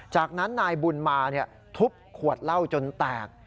จากนั้นนายบุญมาทุบขวดเหล้าจนแตก